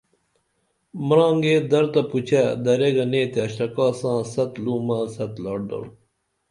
مرانگے درر تہ پوچے درے گنے تے اشتراکا ساں ست لومہ ست لاٹ درو